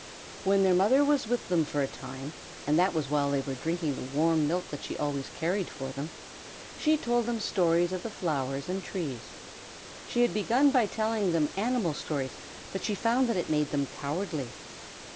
When their mother was with them for a time, and that was while they were drinking the warm milk that she always carried for them, she told them stories of the flowers and trees. She had begun by telling them animal stories, but she found that it made them cowardly.